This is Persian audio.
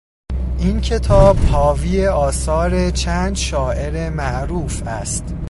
این کتاب حاوی آثار چند شاعر معروف است.